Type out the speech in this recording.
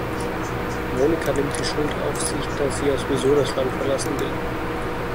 Monika nimmt die Schuld auf sich, da sie ja sowieso das Land verlassen will.